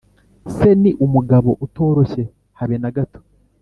Se ni umugabo utoroshye habe na gato